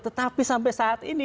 tetapi sampai saat ini